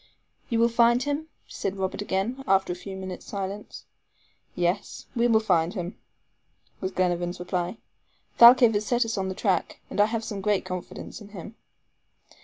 "You will find him?" said Robert again, after a few minutes' silence. "Yes, we'll find him," was Glenarvan's reply, "Thalcave has set us on the track, and I have great confidence in him."